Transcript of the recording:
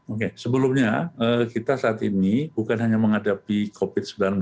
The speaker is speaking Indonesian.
oke sebelumnya kita saat ini bukan hanya menghadapi covid sembilan belas